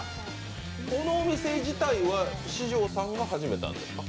このお店自体は四條さんが始めたんですか？